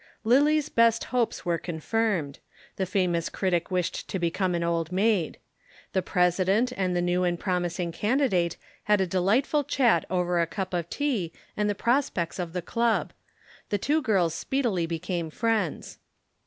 Lillie's best hopes were confirmed. The famous critic wished to become an Old Maid. The President and the new and promising candidate had a delightful chat over a cup of tea and the prospects of the Club. The two girls speedily became friends.